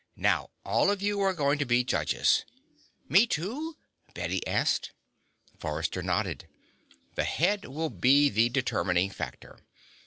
"Now, all of you are going to be judges." "Me, too?" Bette asked. Forrester nodded. "The head will be the determining factor.